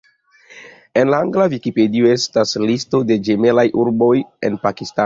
En la angla Vikipedio estas listo de ĝemelaj urboj en Pakistano.